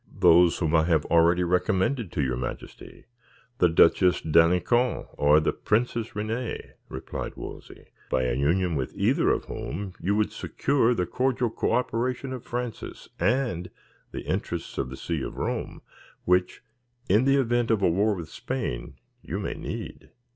"Those whom I have already recommended to your majesty, the Duchess d'Alencon, or the Princess Renee," replied Wolsey; "by a union with either of whom you would secure the cordial co operation of Francis, and the interests of the see of Rome, which, in the event of a war with Spain, you may need."